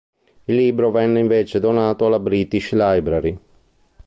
Il libro venne invece donato alla British Library.